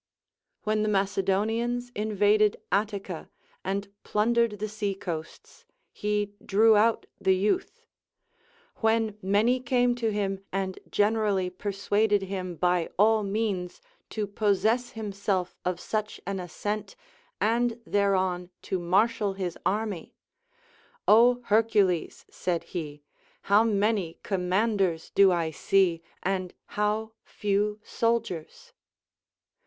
When the Macedonians invaded Attica and plundeied the seacoasts, he drew out the youth. When many came to him and generally persuaded him by all means to possess himself of such an ascent, and thereon to marshal his army, Ο Hercules ! said he, how many commanders do I see, and how few soldiers